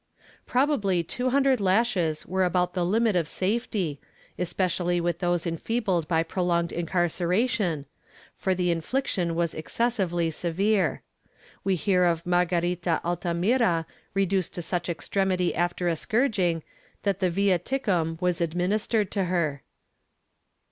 ^ Probably two hundred lashes were about the limit of safety, especially with those enfeebled by prolonged incarceration, for the infliction was excessively severe. We hear of Margarita Alta mira reduced to such extremity after a scourging that the viaticum was administered to her.